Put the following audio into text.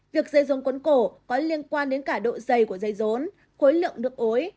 việc dây rốn quấn cổ có liên quan đến cả độ dày của dây rốn khối lượng nước ối